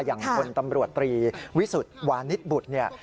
อย่างคนตำรวจตรีวิสุทธิ์วานิสบุตรเนี่ย